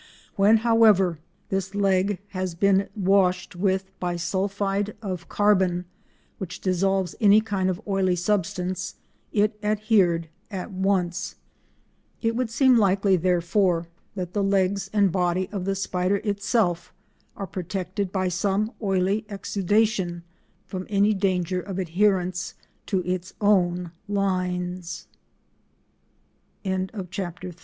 When, however, this leg had been washed with bisulphide of carbon, which dissolves any kind of oily substance, it adhered at once. It would seem likely, therefore, that the legs and body of the spider itself are protected by some oily exudation from any dan